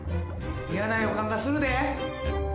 嫌な予感がするで。